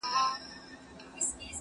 حیوانان له وهمه تښتي خپل پردی سي؛